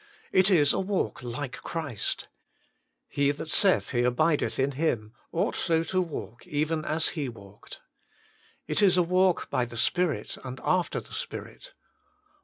It is a walk like Christ. " He that saith he abideth in Him ought so to walk even as He walked." It is a walk by the Spirit and after the Spirit.